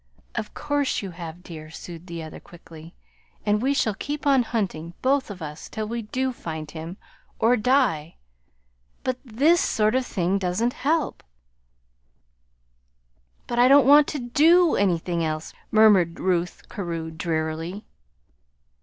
"Of course you have, dear," soothed the other, quickly; "and we shall keep on hunting, both of us, till we do find him or die. But THIS sort of thing doesn't help." "But I don't want to do anything else," murmured Ruth Carew, drearily.